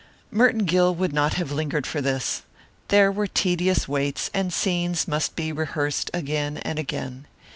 Merton Gill would not have lingered for this. There were tedious waits, and scenes must be rehearsed again and again.